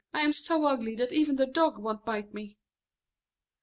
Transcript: "I am so ugly that even the Dog will not eat me."